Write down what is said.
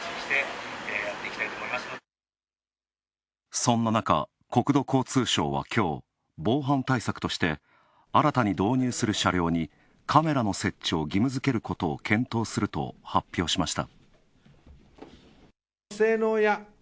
そんな中、国土交通省は、きょう、防犯対策として新たに導入する車両にカメラの設置を義務づけることを検討すると発表しました。